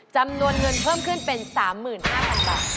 จำนวนเงินเพิ่มขึ้นเป็น๓๕๐๐๐บาท